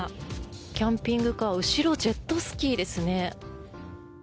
キャンピングカー後ろ、ジェットスキーですね。